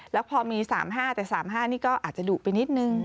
แล้วพอมี๓๕แต่๓๕นี่ก็อาจจะดุไปนิดนึง